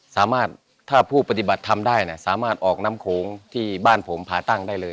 สามารถถ้าผู้ปฏิบัติธรรมได้นะสามารถออกน้ำโขงที่บ้านผมผ่าตั้งได้เลย